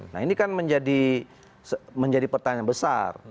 nah ini kan menjadi pertanyaan besar